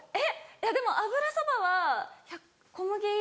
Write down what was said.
いやでも油そばは小麦。